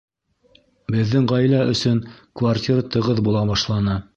Беҙҙең ғаилә өсөн квартира тығыҙ була башланы